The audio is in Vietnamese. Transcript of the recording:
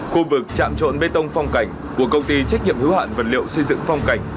khu vực trạm trộn bê tông phong cảnh của công ty trách nhiệm hữu hạn vật liệu xây dựng phong cảnh